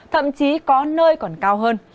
thậm chí có nơi còn cao hơn